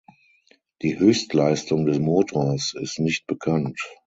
Die Höchstleistung des Motors ist nicht bekannt.